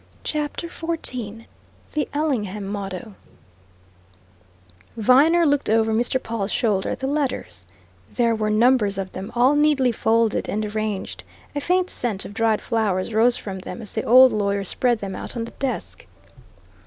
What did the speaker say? CHAPTER XIV THE ELLINGHAM MOTTO Viner looked over Mr. Pawle's shoulder at the letters there were numbers of them, all neatly folded and arranged; a faint scent of dried flowers rose from them as the old lawyer spread them out on the desk.